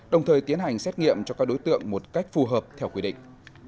đồng thời tiến hành xét nghiệm cho các đối tượng một cách phù hợp theo quy định